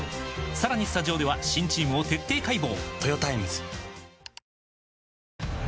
さらにスタジオでは新チームを徹底解剖！